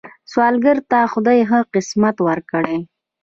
سوالګر ته خدای ښه قسمت ورکړي